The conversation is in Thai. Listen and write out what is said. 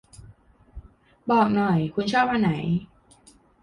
บอกหน่อย คุณชอบอันไหน